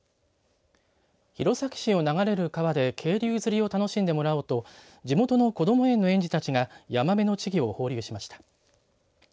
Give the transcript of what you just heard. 弘前市を流れる川で渓流釣りを楽しんでもらおうと地元のこども園の園児たちがヤマメの稚魚を放流しました。